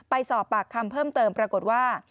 ไปสอบปากคำเพิ่มเติมปรากฏว่า